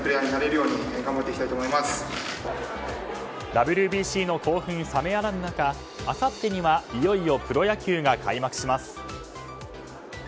ＷＢＣの興奮冷めやらぬ中あさってにはいよいよプロ野球が開幕します。